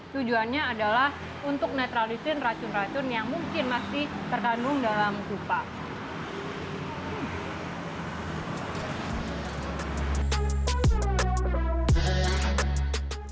tujuannya adalah untuk netralisir racun racun yang mungkin masih terkandung dalam kupang